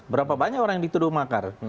berapa banyak orang yang dituduh makar